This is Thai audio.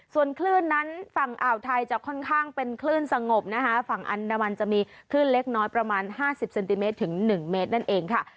ส่วนคลื่นนั้นฝั่งอ่าวไทยจะค่อนข้างเป็นคลื่นสงบนะคะฝั่งอันดามันจะมีคลื่นเล็กน้อยประมาณ๕๐เซนติเมตรถึง๑เมตรนั่นเองค่ะ